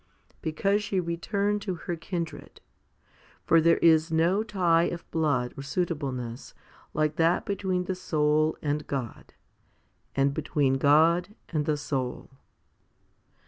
Because she returned to her kindred. For there is no tie of blood or suitableness like that between the soul and God, and between God and the soul.